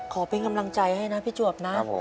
ขอเป็นกำลังใจให้นะพี่จวบนะ